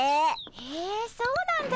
へえそうなんだ。